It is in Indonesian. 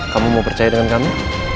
kamu mau percaya dengan kami